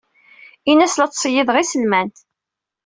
Ini-as la ttṣeyyideɣ iselman.